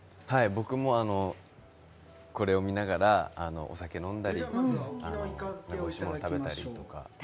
僕も、これを見ながらお酒を飲んだり、おいしいもの食べたり。